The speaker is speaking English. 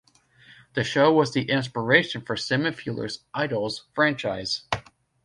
The show was the inspiration for Simon Fuller's "Idols" franchise.